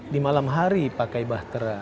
di malam hari pakai bahtera